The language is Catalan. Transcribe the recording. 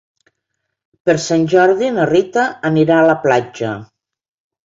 Per Sant Jordi na Rita anirà a la platja.